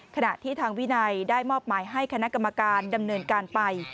ขณะที่ทางวินัยได้มอบหมายให้คณะกรรมการดำเนินการไป